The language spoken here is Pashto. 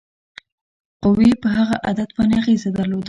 قوې په هغه عدد باندې اغیزه درلوده.